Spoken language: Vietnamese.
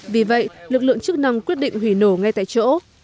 vì vậy lực lượng chức năng quyết định hủy nổ ngay tại chỗ